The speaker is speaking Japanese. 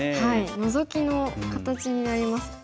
ノゾキの形になりますよね。